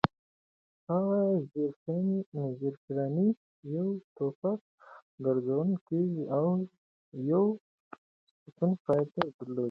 هغه زېرپېرني، یو ټوپک، ګرځنده کېږدۍ او یو سټپني ټایر درلود.